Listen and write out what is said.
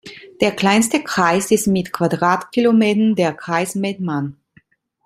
Der kleinste Kreis ist mit Quadratkilometern der Kreis Mettmann.